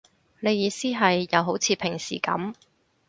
你意思係，又好似平時噉